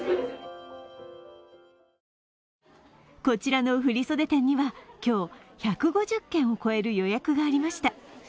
こちらの振り袖店には、今日、１５０件を超える予約がありました。